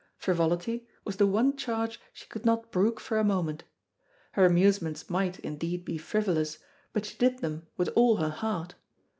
Frivolity, was the one charge she could not brook for a moment. Her amusements might, indeed, be frivolous, but she did them with all her heart.